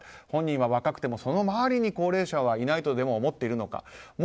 本人は若くてもその周りに高齢者はいないとでも思っているのか。